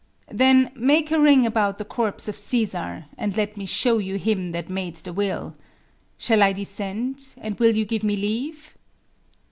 Then, make a ring about the corpse of Cæsar, And let me shew you him that made the will. Shall I descend? And will you give me leave?